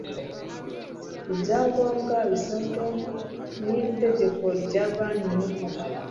ibyangombwa bisabwa n iri tegeko rya banki nkuru